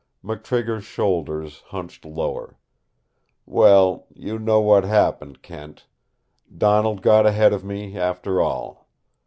McTrigger's shoulders hunched lower. "Well, you know what happened, Kent. Donald got ahead of me, after all.